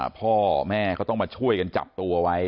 พ่อแม่เขาต้องมาช่วยกันจับตัวไว้